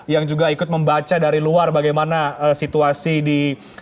yang juga ikut membaca dari luar bagaimana situasi di